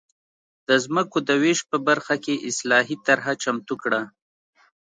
د ځمکو د وېش په برخه کې اصلاحي طرحه چمتو کړه.